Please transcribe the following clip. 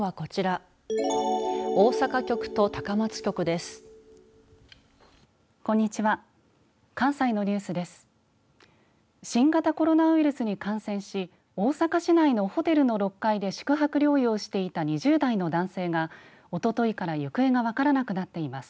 新型コロナウイルスに感染し大阪市内のホテルの６階で宿泊療養していた２０代の男性がおとといから行方が分からなくなっています。